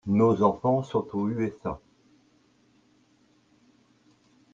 Nos enfant sont aux USA.